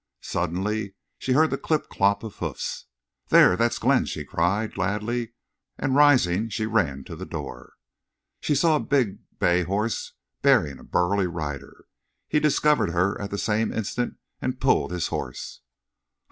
Suddenly she heard the clip clop of hoofs. "There! that's Glenn," she cried, gladly, and rising, she ran to the door. She saw a big bay horse bearing a burly rider. He discovered her at the same instant, and pulled his horse. "Ho!